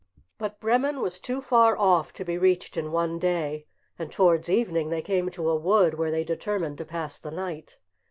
But Bremen was too far off to be reached in one day, and towards evening they came to a wood, where they determined to pass the night.